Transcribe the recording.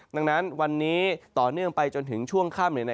ดังนั้นวันนี้ต่อเนื่องไปจนถึงช่วงค่ำ